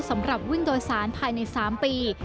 สำหรับวิ่งโดยสารภายใน๓ปี